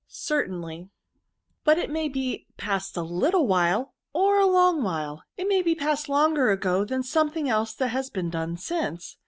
"Certainly, but it may be past a little while or a long while. It may be past longer ago than something else that has been done since.